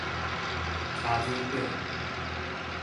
查水表